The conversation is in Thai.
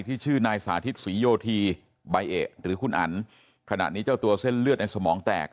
ชื่อนายสาธิตศรีโยธีใบเอะหรือคุณอันขณะนี้เจ้าตัวเส้นเลือดในสมองแตก